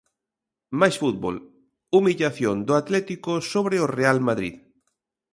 Máis fútbol: Humillación do Atlético sobre o Real Madrid.